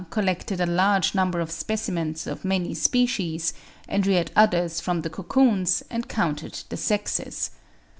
collected a large number of specimens of many species, and reared others from the cocoons, and counted the sexes.